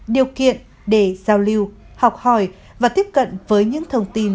điều kiện để giao lưu học hỏi và tiếp cận với những thông tin